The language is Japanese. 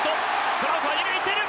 トラウトは２塁に行っている。